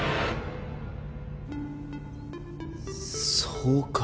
そうか。